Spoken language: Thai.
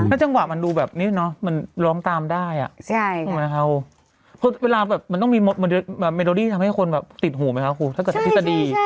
จังหวะมันดูแบบนี้เนาะมันร้องตามได้ถูกไหมคะเพราะเวลาแบบมันต้องมีเมโดดี้ทำให้คนแบบติดหูไหมคะครูถ้าเกิดทฤษฎี